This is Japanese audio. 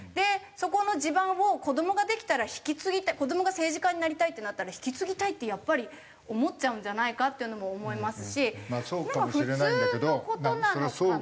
そこの地盤を子どもができたら引き継ぎたい子どもが政治家になりたいってなったら引き継ぎたいってやっぱり思っちゃうんじゃないかっていうのも思いますしなんか普通の事なのかな。